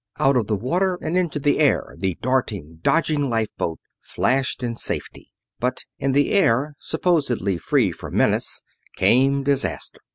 Out of the water and into the air the darting, dodging lifeboat flashed in safety; but in the air, supposedly free from menace, came disaster.